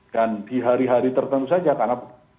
dan di hari hari tertentu saja karena